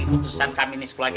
keputusan kami ini sekeluarga